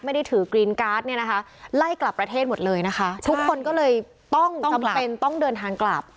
ไม่ได้ถือกรีนการ์ดเนี่ยนะคะไล่กลับประเทศหมดเลยนะคะทุกคนก็เลยต้องเป็นต้องเดินทางกลับ